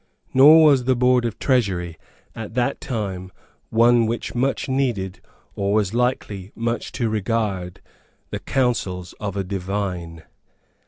Nor was the Board of Treasury at that time one which much needed, or was likely much to regard, the counsels of a divine.